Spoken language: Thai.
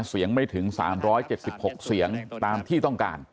เสียงไม่ถึง๓๗๖เสียงตามที่ต้องการ